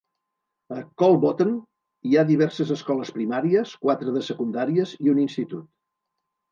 A Kolbotn hi ha diverses escoles primàries, quatre de secundàries i un institut.